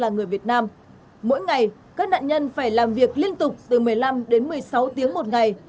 người việt nam mỗi ngày các nạn nhân phải làm việc liên tục từ một mươi năm đến một mươi sáu tiếng một ngày